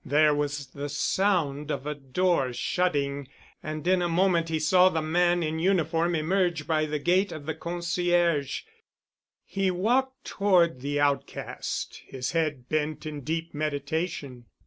There was a sound of a door shutting and in a moment he saw the man in uniform emerge by the gate of the concierge. He walked toward the outcast, his head bent in deep meditation.